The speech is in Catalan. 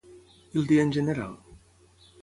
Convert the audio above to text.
I el dia en general?